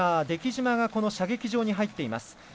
出来島が射撃場に入っています。